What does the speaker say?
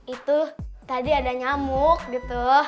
itu tadi ada nyamuk gitu